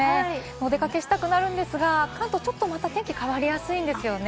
お出かけしたくなるんですが、関東はちょっと天気が変わりやすいんですよね。